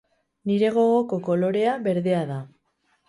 Nire gogoko kolorea berdea da.